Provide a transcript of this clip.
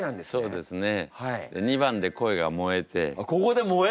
そうですね。